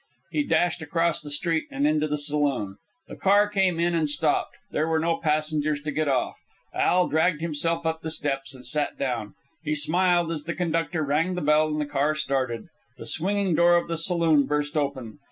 He dashed across the street and into the saloon. The car came in and stopped. There were no passengers to get off. Al dragged himself up the steps and sat down. He smiled as the conductor rang the bell and the car started. The swinging door of the saloon burst open.